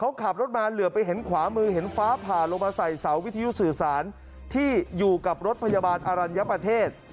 เขาขับรถมาเหลือไปเห็นขวามือเห็นฟ้าผ่าลงมาใส่เสาวิทยุสื่อสารที่อยู่กับรถพยาบาลอรัญญประเทศ